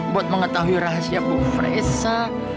buat mengetahui rahasia bu fresa